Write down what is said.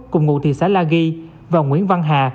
cùng ngụ thị xã la ghi và nguyễn văn hà